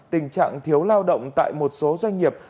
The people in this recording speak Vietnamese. tình trạng thiếu lao động tại một số doanh nghiệp